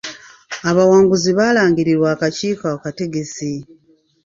Abawanguzi baalangirirwa akakiiko akategesi.